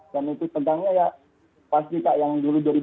dan itu tegangnya ya pasti kak yang dulu dua ribu sembilan belas